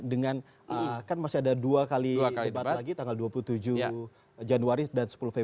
dengan kan masih ada dua kali debat lagi tanggal dua puluh tujuh januari dan sepuluh februari